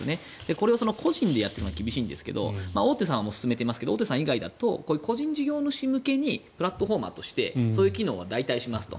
これを個人でやってるのは厳しいんですけど大手さんはもう進めていますが大手さん以外だと個人事業主向けにプラットフォーマーとしてそういう機能を代替しますと。